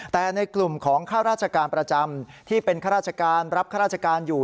แต่ในกลุ่มของข้าราชการประจำที่เป็นข้าราชการรับข้าราชการอยู่